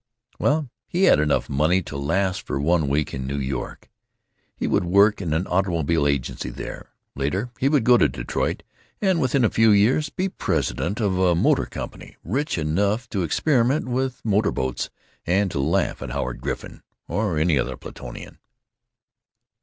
Well, he had enough money to last for one week in New York. He would work in an automobile agency there; later he would go to Detroit, and within a few years be president of a motor company, rich enough to experiment with motor boats and to laugh at Howard Griffin or any other Platonian.